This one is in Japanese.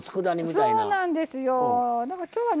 そうなんですよ。